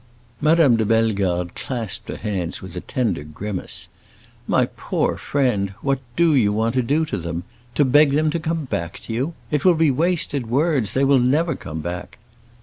Madame de Bellegarde clasped her hands with a tender grimace. "My poor friend, what do you want to do to them? To beg them to come back to you? It will be wasted words. They will never come back!"